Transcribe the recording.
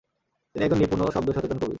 তিনি একজন নিপুণ ও শব্দ সচেতন কবি।